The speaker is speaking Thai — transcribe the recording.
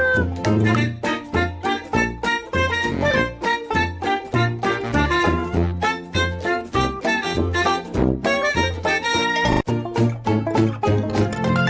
สวัสดี